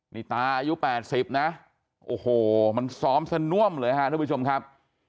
นี่ตาอายุ๘๐นะโอ้โหมันซ้อมสน่วมเลยครับทุกผู้ชมครับ